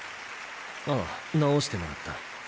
ああ治してもらった。